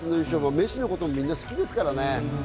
メッシの事もみんな好きですからね。